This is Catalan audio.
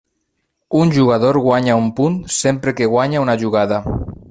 Un jugador guanya un punt sempre que guanya una jugada.